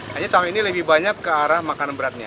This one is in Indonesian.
hanya tahu ini lebih banyak ke arah makanan beratnya